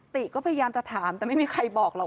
ติก็พยายามจะถามแต่ไม่มีใครบอกหรอก